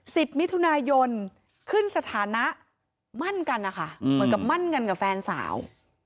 สิบมิถุนายนขึ้นสถานะมั่นกันนะคะเหมือนกับมั่นกันกับแฟนสาว